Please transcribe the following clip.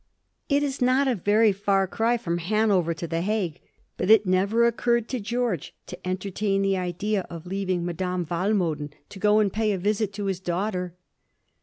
It is not a Teiy far cry from Hanover to the Hagne, bat it never ocenrred to Geoi^e to entertain the idea of leaving Madame Walmo den to go and pay a visit to his danghter.